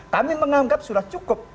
kami menganggap sudah cukup